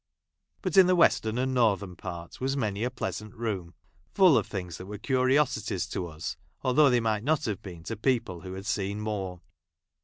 But in the western and northern part was many a pleasant room ; full of things that were curiosities to us, though they might not have been to people who had seen more.